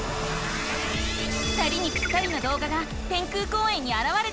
２人にぴったりのどうがが天空公園にあらわれた。